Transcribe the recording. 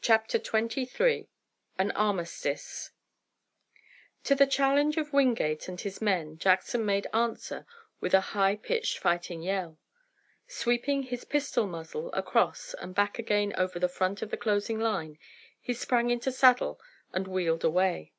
CHAPTER XXIII AN ARMISTICE To the challenge of Wingate and his men Jackson made answer with a high pitched fighting yell. Sweeping his pistol muzzle across and back again over the front of the closing line, he sprang into saddle and wheeled away.